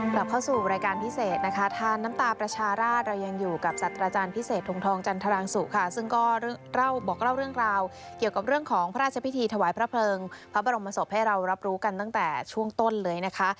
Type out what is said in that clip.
กลับเข้าสู่รายการพิเศษนะคะทานน้ำตาประชาราชเรายังอยู่กับสัตว์อาจารย์พิเศษทงทองจันทรางสุค่ะซึ่งก็เล่าบอกเล่าเรื่องราวเกี่ยวกับเรื่องของพระราชพิธีถวายพระเพลิงพระบรมศพให้เรารับรู้กันตั้งแต่ช่วงต้นเลยนะคะ